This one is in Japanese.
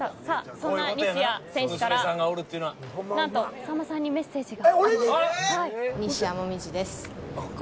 そんな西矢選手からさんまさんにメッセージが。